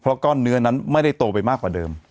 เพราะก้อนเนื้อนั้นไม่ได้โตไปมากกว่าเดิม